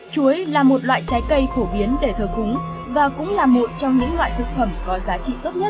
chuối là một loại trái cây phổ biến để thờ cúng và cũng là một trong những loại thực phẩm có giá trị tốt nhất trong cuộc sống